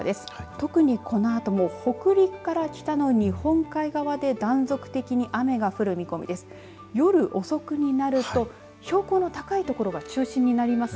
特にこのあとも北陸から北の日本海側で断続的に雨が降る見込みです。